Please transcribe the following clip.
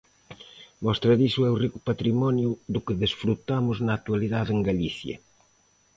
Mostra diso é o rico patrimonio do que desfrutamos na actualidade en Galicia.